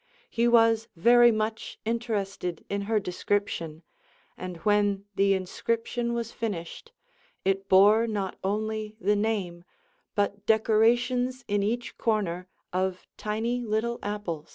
He was very much interested in her description, and when the inscription was finished, it bore not only the name, but decorations in each corner of tiny little apples.